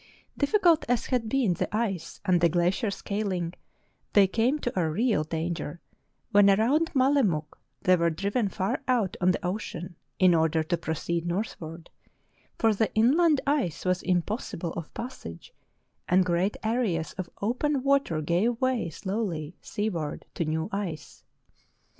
Difficult as had been the ice and the glacier scaling, they came to a real danger when around Mallemuk they were driven far out on the ocean in order to pro ceed northward, for the inland ice was impossible of passage and great areas of open water gave way slowly seaward to new ice.